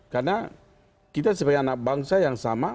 karena kita sebagai anak bangsa yang sama